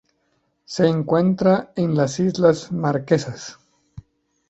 Se encuentran en las Islas Marquesas.